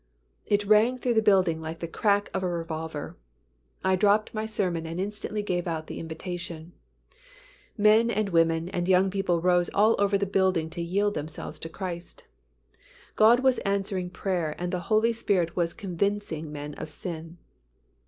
It rang through the building like the crack of a revolver. I dropped my sermon and instantly gave out the invitation; men and women and young people rose all over the building to yield themselves to Christ. God was answering prayer and the Holy Spirit was convincing men of sin.